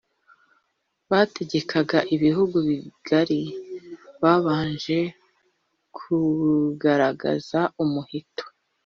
bategekaga ibihugu bigari babanje kugaruza umuheto